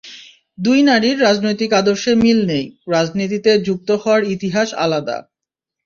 দুই নারীর রাজনৈতিক আদর্শে মিল নেই, রাজনীতিতে যুক্ত হওয়ার ইতিহাস আলাদা।